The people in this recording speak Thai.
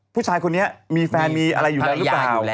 ผู้ชายคนนี้มีแฟนมีอะไรอยู่แล้วหรือเปล่า